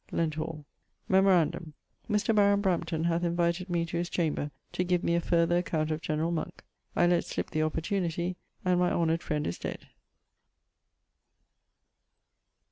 [XXXIV.] Lenthall. Memorandum: Mr. Baron Brampton hath invited me to his chamber to give me a farther account of generall Monk. I let slip the opportunity, and my honoured friend is dead.